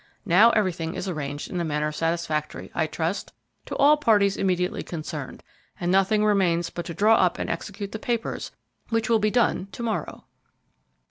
Now everything is arranged in a manner satisfactory, I trust, to all parties immediately concerned, and nothing remains but to draw up and execute the papers, which will be done to morrow."